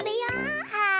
はい！